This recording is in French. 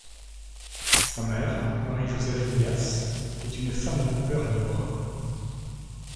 Sa mère, Marie-Josèphe Días, est une femme de couleur libre.